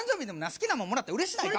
好きなもんもらったら嬉しないか？